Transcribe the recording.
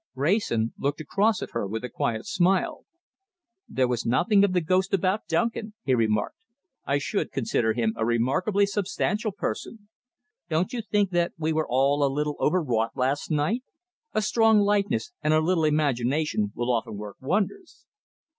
Wrayson looked across at her with a quiet smile. "There was nothing of the ghost about Duncan!" he remarked. "I should consider him a remarkably substantial person. Don't you think that we were all a little overwrought last night? A strong likeness and a little imagination will often work wonders."